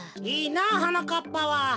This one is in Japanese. いいなはなかっぱは。